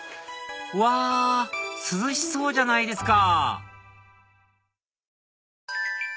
うわ涼しそうじゃないですか